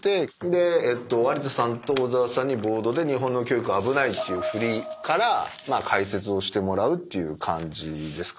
で有田さんと小澤さんにボードで日本の教育は危ないっていう振りから解説をしてもらうっていう感じですかね。